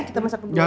kita masak berdua ya